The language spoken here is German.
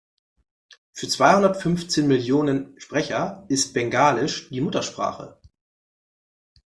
Für zweihundertfünfzehn Millionen Sprecher ist Bengalisch die Muttersprache.